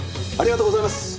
ありがとうございます！